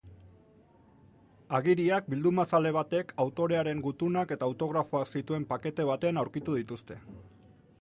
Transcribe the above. Agiriak bildumazale batek autorearen gutunak eta autografoak zituen pakete batean aurkitu dituzte.